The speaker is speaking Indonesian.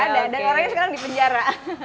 ada dan orangnya sekarang di penjara